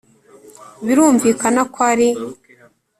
birumvikana ko ari.